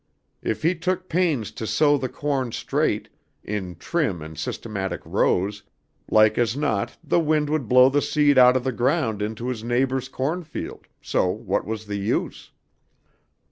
If he took pains to sow the corn straight, in trim and systematic rows, like as not the wind would blow the seed out of the ground into his neighbor's cornfield, so what was the use?